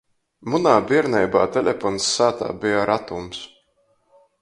Munā bierneibā telepons sātā beja ratums.